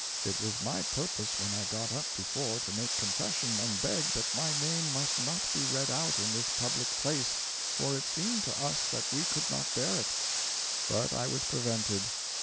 It was my purpose when I got up before to make confession and beg that my name might not be read out in this public place, for it seemed to us that we could not bear it; but I was prevented.